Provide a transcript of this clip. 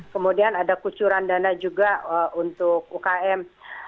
kemudian ada kucuran dana juga untuk ukm